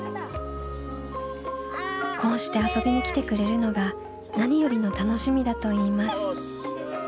こうして遊びに来てくれるのが何よりの楽しみだといいます。